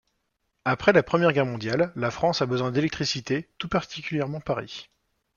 Après la Première Guerre mondiale, la France a besoin d'électricité, tout particulièrement Paris.